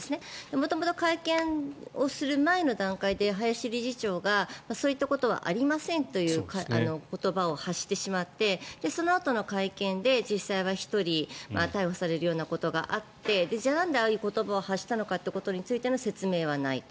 元々、会見をする前の段階で林理事長がそういったことはありませんという言葉を発してしまってじゃあ、そのあとの会見で実際は１人逮捕されるようなことがあってなんでああいう言葉を発したのかということについての説明はないと。